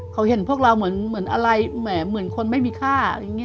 เขาเห็นพวกเราเหมือนอะไรแหมเหมือนคนไม่มีค่าอะไรอย่างนี้